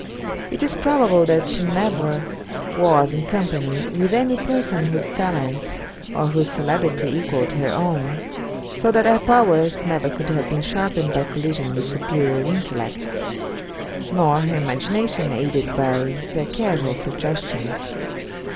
It is probable that she never was in company with any person whose talents or whose celebrity equalled her own; so that her powers never could have been sharpened by collision with superior intellects, nor her imagination aided by their casual suggestions.